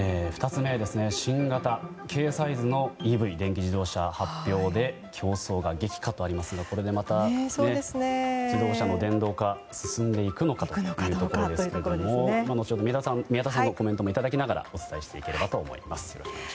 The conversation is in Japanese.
２つ目、新型軽サイズのＥＶ・電気自動車発表で、競争が激化とありますがこれでまた自動車の電動化進んでいくのかというところですけども後ほど宮田さんのコメントもいただきながらお伝えしていければと思います。